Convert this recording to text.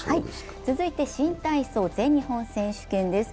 続いて新体操全日本選手権です。